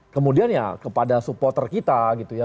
kemudian ya kepada supporter kita gitu ya